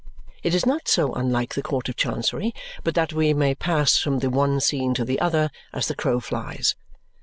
It is not so unlike the Court of Chancery but that we may pass from the one scene to the other, as the crow flies.